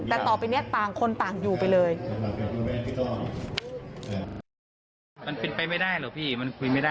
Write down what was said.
แต่ต่อไปนี้ต่างคนต่างอยู่ไปเลย